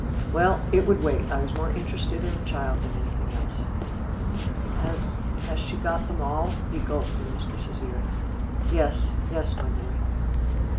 Well! it would wait. I was more interested in the child than in anything else. "Has has she got them all?" he gulped in mistress's ear. "Yes, yes, my boy."